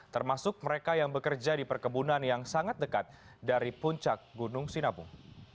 termasuk mereka yang bekerja di perkebunan yang sangat dekat dari puncak gunung sinabung